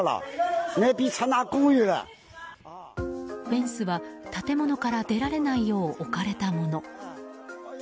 フェンスは建物から出られないよう置かれたもの。